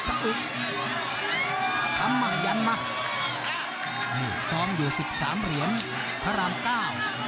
สะอึกทำมาหยั่นมานี่ซ้อมเหลือสิบสามเหรียญพระรามเก้า